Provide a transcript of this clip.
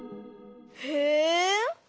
へえ。